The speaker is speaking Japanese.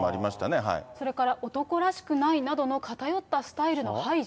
それから男らしくないなどの偏ったスタイルの排除。